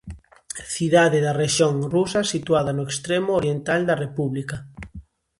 Cidade da rexión rusa situada no extremo oriental da república.